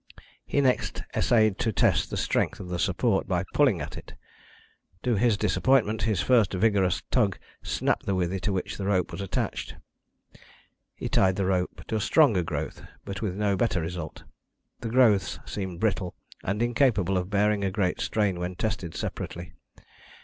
He next essayed to test the strength of the support, by pulling at it. To his disappointment, his first vigorous tug snapped the withe to which the rope was attached. He tied the rope to a stronger growth, but with no better result: the growths seemed brittle, and incapable of bearing a great strain when tested separately.